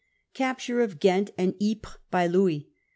Capture of Ghent and Ypres by Louis.